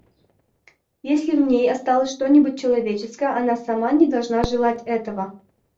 Если в ней осталось что-нибудь человеческое, она сама не должна желать этого.